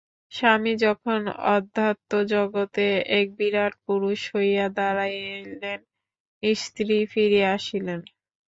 স্বামী যখন অধ্যাত্ম-জগতে এক বিরাট পুরুষ হইয়া দাঁড়াইলেন, স্ত্রী ফিরিয়া আসিলেন।